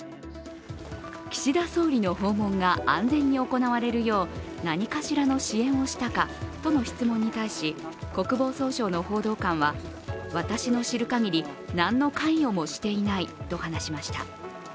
岸田総理の訪問が安全に行われるよう何かしらの支援をしたかとの質問に対し、国防総省の報道官は、私の知るかぎり何の関与もしていないと話しました。